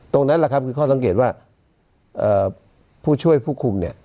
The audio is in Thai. ตรงนั้นแหละครับคือข้อสังเกตว่าผู้ช่วยผู้คุมเนี่ย